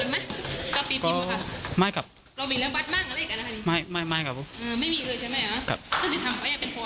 ไม่ไม่มีเลยใช่ไหมแม่นะครับครับครับ